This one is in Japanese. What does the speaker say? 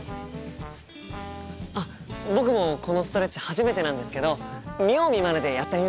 あっ僕もこのストレッチ初めてなんですけど見よう見まねでやってみます。